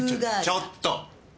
ちょっと！